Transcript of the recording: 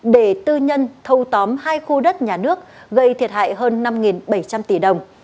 để tư nhân thâu tóm hai khu đất nhà nước gây thiệt hại hơn năm bảy trăm linh tỷ đồng